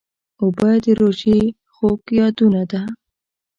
اوبه د روژې خوږ یادونه ده.